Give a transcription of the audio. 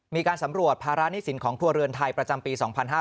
มีการสำรวจภาระหนี้สินของครัวเรือนไทยประจำปี๒๕๕๙